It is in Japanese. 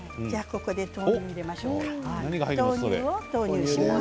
ここで豆乳を入れましょうか。